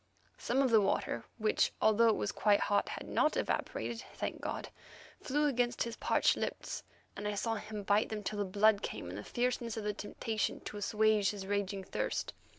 Some of the water, which, although it was quite hot, had not evaporated, thank God! flew against his parched lips, and I saw him bite them till the blood came in the fierceness of the temptation to assuage his raging thirst.